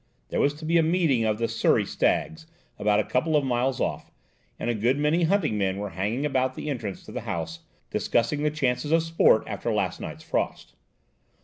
There was to be a meeting of the "Surrey Stags," about a couple of miles off, and a good many hunting men were hanging about the entrance to the house, discussing the chances of sport after last night's frost.